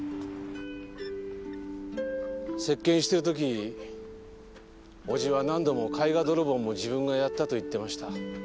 接見してる時叔父は何度も絵画泥棒も自分がやったと言ってました。